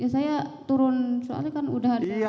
saya turun soalnya kan udah ada